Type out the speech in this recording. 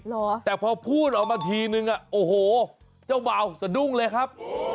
เหรอแต่พอพูดออกมาทีนึงอ่ะโอ้โหเจ้าบ่าวสะดุ้งเลยครับ